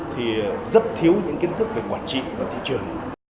thì rất thiếu những kiến thức về quản trị và thị trường